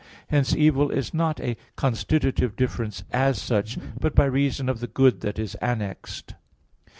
Hence evil is not a constitutive difference as such, but by reason of the good that is annexed.